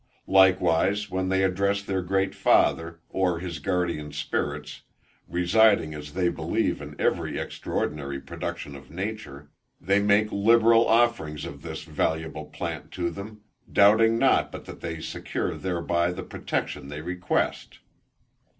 Likewise, when they address their great Father, or his guardian Spirits, residing as they believe in every extraordinary production of nature, they make liberal offerings of this valuable plant to them, doubting not but that they secure thereby the protection they request.